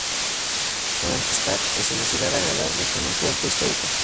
Oranjestad es una ciudad agradable, con un puerto histórico.